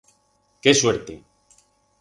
Qué suerte!